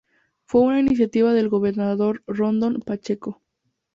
Fue una iniciativa del gobernador Rondon Pacheco.